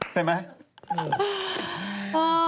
เห็นไหม